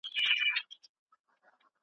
پوهه د انسان ژوند ته بدلون ورکوي.